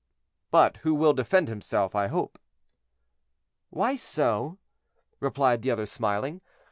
"But who will defend himself, I hope." "Why so?" replied the other smiling.